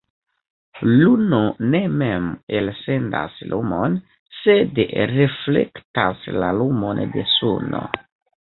Luno ne mem elsendas lumon, sed reflektas la lumon de Suno.